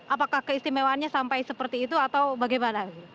apakah keistimewaannya sampai seperti itu atau bagaimana